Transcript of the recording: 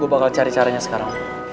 gue bakal cari caranya sekarang